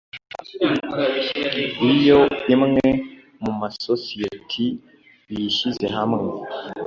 Iyo imwe mu masosiyeti yishyize hamwe